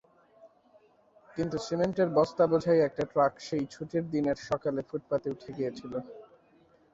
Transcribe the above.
কিন্তু সিমেন্টের বস্তা বোঝাই একটি ট্রাক সেই ছুটির দিনের সকালে ফুটপাতে উঠে গিয়েছিল।